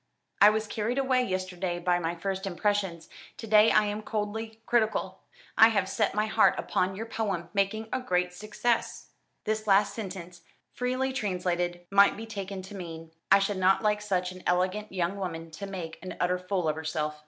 "I was carried away yesterday by my first impressions; to day I am coldly critical. I have set my heart upon your poem making a great success." This last sentence, freely translated, might be taken to mean: "I should not like such an elegant young woman to make an utter fool of herself."